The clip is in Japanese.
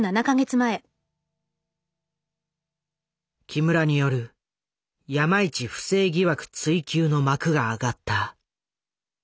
木村による山一不正疑惑追及の幕が上がった。